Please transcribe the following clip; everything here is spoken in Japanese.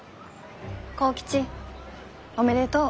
幸吉おめでとう。